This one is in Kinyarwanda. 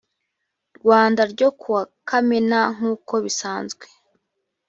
rwanda ryo ku wa kamena nk uko bisanzwe